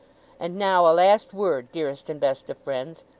And now a last word, dearest and best of friends!